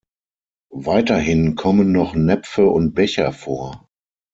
Weiterhin kommen noch Näpfe und Becher vor.